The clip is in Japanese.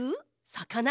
さかな？